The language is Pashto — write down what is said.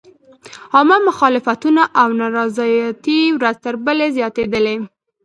عامه مخالفتونه او نارضایتۍ ورځ تر بلې زیاتېدلې.